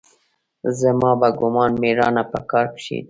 زما په ګومان مېړانه په کار کښې ده.